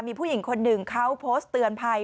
มีผู้หญิงคนหนึ่งเขาโพสต์เตือนภัย